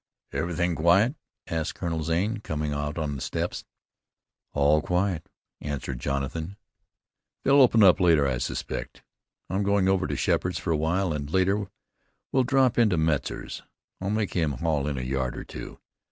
"Everything quiet?" asked Colonel Zane, coming out on the steps. "All quiet," answered Jonathan. "They'll open up later, I suspect. I'm going over to Sheppard's for a while, and, later, will drop into Metzar's. I'll make him haul in a yard or two.